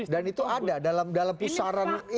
dan itu ada dalam pusaran ini